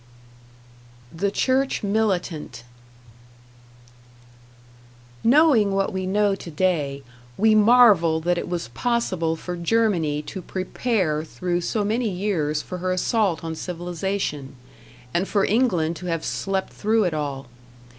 #The Church Militant# Knowing what we know today, we marvel that it was possible for Germany to prepare through so many years for her assault on civilization, and for England to have slept through it all.